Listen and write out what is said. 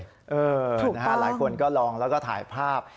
ถูกต้องหลายคนก็ลองแล้วก็ถ่ายภาพ